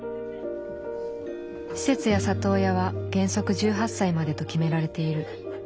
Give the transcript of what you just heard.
施設や里親は原則１８歳までと決められている。